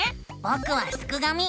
ぼくはすくがミ！